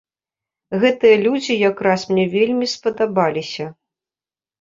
Гэтыя людзі якраз мне вельмі спадабаліся.